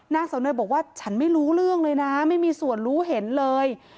นางเสาเนยบอกว่าฉันไม่รู้เรื่องเลยนะไม่มีส่วนรู้เห็นเลย